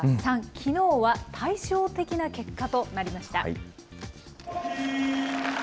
きのうは対照的な結果となりました。